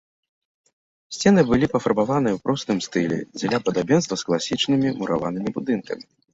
Сцены былі пафарбаваны ў простым -стылі дзеля падабенства з класічнымі мураванымі будынкамі.